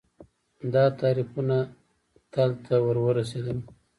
دا تعریفونه تل ته ورورسېدل